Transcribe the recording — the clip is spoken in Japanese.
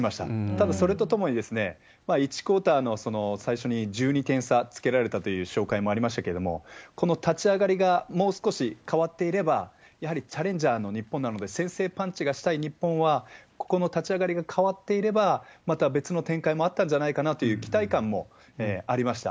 ただ、それとともに、１クオーターの最初に１２点差つけられたという紹介もありましたけれども、この立ち上がりがもう少し変わっていれば、やはりチャレンジャーの日本なので、先制パンチがしたい日本は、ここの立ち上がりが変わっていれば、また別の展開もあったんじゃないかなという期待感もありました。